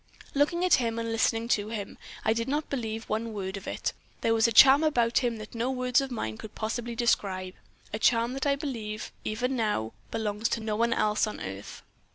"Looking at him and listening to him, I did not believe one word of it. There was a charm about him that no words of mine could possibly describe a charm that I believe, even now, belongs to no one else on earth.